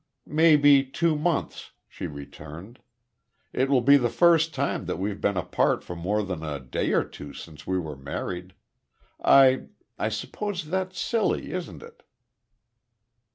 "Maybe two months," she returned.... "It will be the first time that we've been apart for more than a day or two since we were married.... I I suppose that's silly, isn't it?